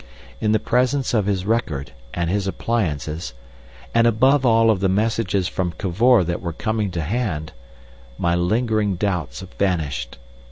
In the presence of his record and his appliances—and above all of the messages from Cavor that were coming to hand—my lingering doubts vanished.